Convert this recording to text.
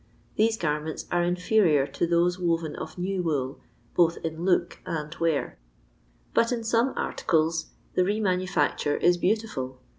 These garments are inferior to those woven of new wool, both in look and wear ; but in some articles the re manufacture is beautiful.